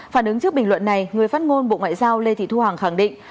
phản ứng trước bình luận này người phát ngôn bộ ngoại giao lê thị thu hằng khẳng định